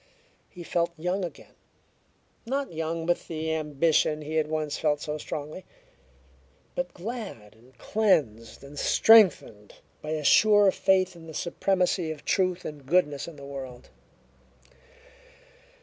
He felt young again not young with the ambition he had once felt so strongly, but glad and cleansed and strengthened by a sure faith in the supremacy of truth and goodness in the world.